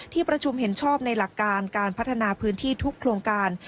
ที่ประชุมเห็นชอบในหลักการการพัฒนาพื้นที่ทุกโครงการ